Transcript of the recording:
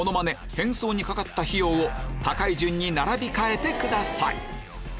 変装にかかった費用を高い順に並び替えてください